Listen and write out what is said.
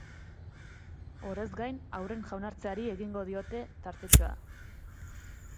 Horrez gain, haurren jaunartzeari egingo diote tartetxoa.